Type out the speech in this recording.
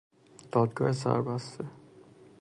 دادگاه دربسته